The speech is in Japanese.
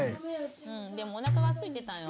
でもお腹がすいてたんよ。